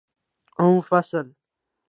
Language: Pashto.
اووم فصل